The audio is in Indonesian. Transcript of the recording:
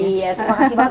iya terima kasih banget